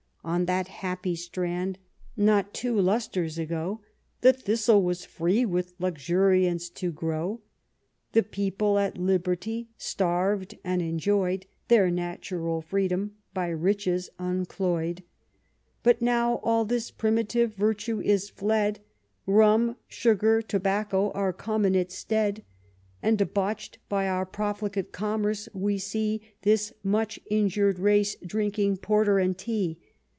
On that happy strand, not two lustres ago, The thistle was free with luxuriance to grow ; The people at liberty starved, and enjoyed Their natural freedom, by riches uncloy'd. But now all this primitive virtue is fled y Rum, sugar, tobacco, are come in its stead. And debanch'd by our profligate commerce, we see This much injured race drinking porter and tea.